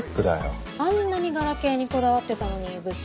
あんなにガラケーにこだわってたのに部長。